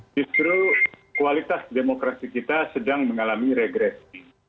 justru kualitas demokrasi kita sedang mengalami regresi